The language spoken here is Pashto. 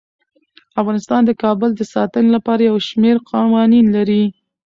افغانستان د کابل د ساتنې لپاره یو شمیر قوانین لري.